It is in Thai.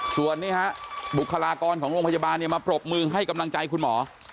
ส่วนนี้ฮะบุคลากรของโรงพยาบาลเนี่ยมาปรบมือให้กำลังใจคุณหมอ